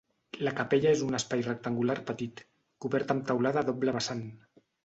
La capella és un espai rectangular petit, cobert amb teulada a doble vessant.